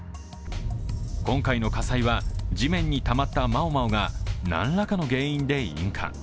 今回の火災は地面にたまった毛毛が何らかの原因で引火。